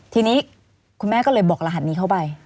ทีนี้คุณแม่ก็เลยบอกรหัสนี้เข้าไป